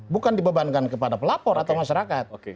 bukan dibebankan kepada pelapor atau masyarakat